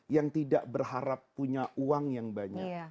yang tidak berharap punya uang yang banyak